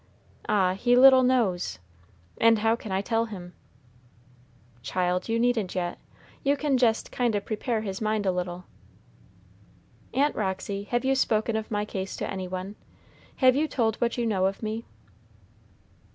Ah, he little knows, and how can I tell him?" "Child, you needn't yet. You can jest kind o' prepare his mind a little." "Aunt Roxy, have you spoken of my case to any one, have you told what you know of me?"